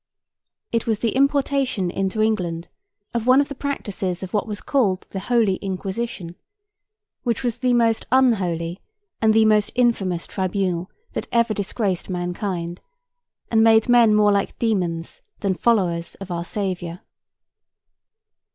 It was the importation into England of one of the practices of what was called the Holy Inquisition: which was the most _un_holy and the most infamous tribunal that ever disgraced mankind, and made men more like demons than followers of Our Saviour.